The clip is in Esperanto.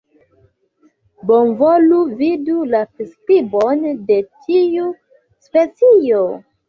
Bonvolu vidu la priskribon de tiu specio.